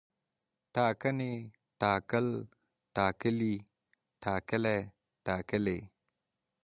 ټاکنې، ټاکل، ټاکلی، ټاکلي، ټاکلې